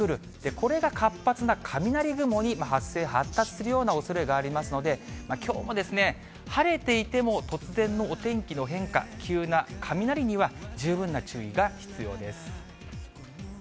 これが活発な雷雲に発生、発達するようなおそれがありますので、きょうも晴れていても、突然のお天気の変化、急な雷には十分な注意が必要です。